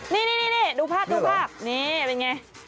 นี่ดูภาพนี่เป็นไง